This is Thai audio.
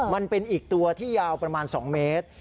มันเป็นอีกตัวที่ยาวประมาณ๒เมตร